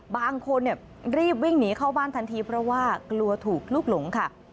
บางคนรีบวิ่งหนีเข้าบ้านทันทีเพราะว่ากลัวถูกลูกหลงค่ะ